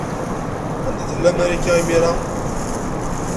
Anda tella Marika, imir-a?